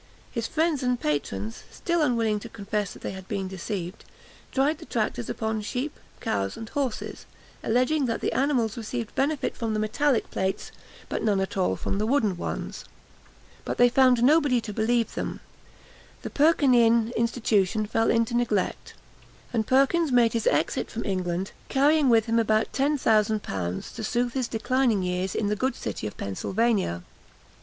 His friends and patrons, still unwilling to confess that they had been deceived, tried the tractors upon sheep, cows, and horses, alleging that the animals received benefit from the metallic plates, but none at all from the wooden ones. But they found nobody to believe them; the Perkinean institution fell into neglect; and Perkins made his exit from England, carrying with him about ten thousand pounds, to soothe his declining years in the good city of Pennsylvania.